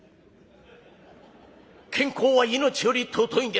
「健康は命より尊いんですか？」。